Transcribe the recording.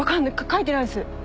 書いてないんです。